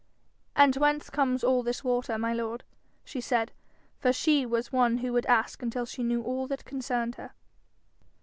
'And whence comes all this water, my lord?' she said, for she was one who would ask until she knew all that concerned her.